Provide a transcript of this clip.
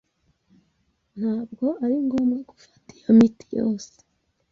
Ntabwo ari ngombwa gufata iyo miti yose.